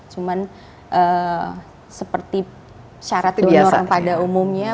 cuman seperti syarat donor pada umumnya